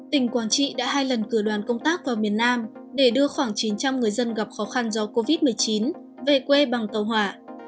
tỉnh quảng trị đã hai lần cử đoàn công tác vào miền nam để đưa khoảng chín trăm linh người dân gặp khó khăn do covid một mươi chín về quê bằng tàu hỏa